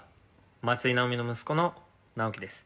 「松居直美の息子の直樹です」